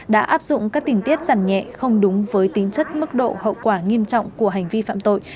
đã áp dụng các tình tiết giảm nhẹ không đúng với tính chất mức độ hậu quả nghiêm trọng của hành vi phạm tội